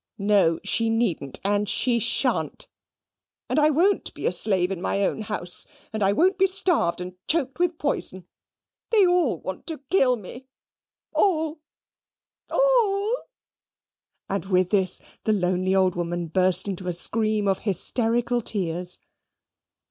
No she needn't and she shan't and I won't be a slave in my own house and I won't be starved and choked with poison. They all want to kill me all all" and with this the lonely old woman burst into a scream of hysterical tears.